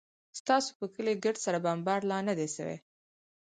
ستاسو پر کلي ګرد سره بمبارد لا نه دى سوى.